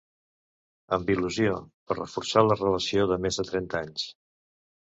Amb il·lusió, per reforçar la relació de més de trenta anys...